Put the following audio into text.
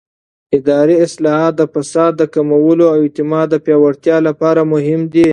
اداري اصلاحات د فساد د کمولو او اعتماد د پیاوړتیا لپاره مهم دي